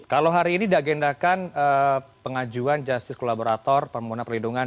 kalau hari ini dagi endahkan pengajuan justice collaborator pemohonan perlindungan